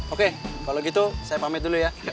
oke kalau gitu saya pamit dulu ya